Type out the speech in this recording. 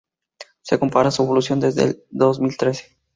Se compara su evolución desde el dosmiltrece